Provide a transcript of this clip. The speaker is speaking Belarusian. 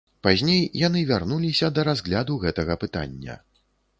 Пазней яны вярнуліся да разгляду гэтага пытання.